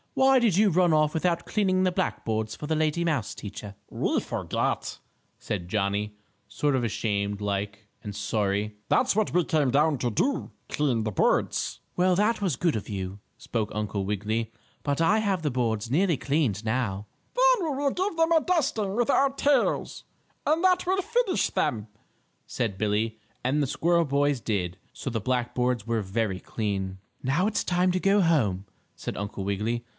"Why did you run off without cleaning the black boards for the lady mouse teacher?" "We forgot," said Johnnie, sort of ashamed like and sorry. "That's what we came back to do clean the boards." "Well, that was good of you," spoke Uncle Wiggily. "But I have the boards nearly cleaned now." "Then we will give them a dusting with our tails, and that will finish them," said Billie, and the squirrel boys did, so the black boards were very clean. "Now it's time to go home," said Uncle Wiggily.